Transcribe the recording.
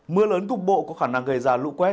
mưa lớn cục bộ có khả năng gây ra lũ quét